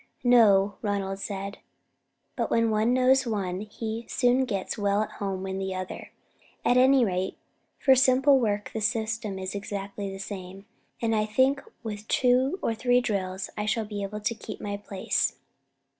"No," Ronald said, "but when one knows one, he soon gets well at home in the other. At any rate, for simple work the system is exactly the same, and I think with two or three drills I shall be able to keep my place."